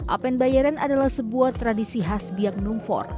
apen bayeren adalah sebuah tradisi khas biak numfor